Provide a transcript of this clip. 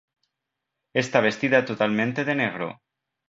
Está vestida totalmente de negro.